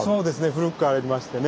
古くからありましてね。